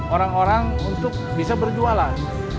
orang orang untuk bisa berjualan